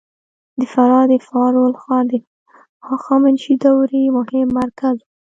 د فراه د فارول ښار د هخامنشي دورې مهم مرکز و